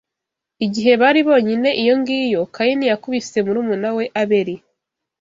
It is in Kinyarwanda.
Igihe bari bonyine iyo ngiyo, Kayini yakubise murumuna we Abeli